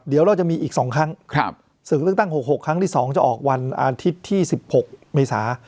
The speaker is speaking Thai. เดี๋ยวเราจะมีอีกสองครั้งครับศึกเรื่องตั้งหกหกครั้งที่สองจะออกวันอาทิตย์ที่สิบหกเมษา